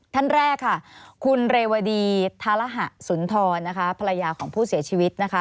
ท่านแรกค่ะคุณเรวดีธารหะสุนทรนะคะภรรยาของผู้เสียชีวิตนะคะ